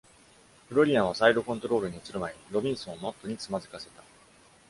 フロリアンはサイドコントロールに移る前にロビンソンをマットにつまずかせた。